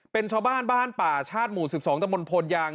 เป็นชาวบ้านบ้านป่าชาติหมู่๑๒ตะมนต์โพนยาง